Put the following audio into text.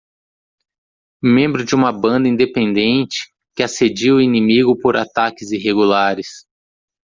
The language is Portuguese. Membro de uma banda independente que assedia o inimigo por ataques irregulares.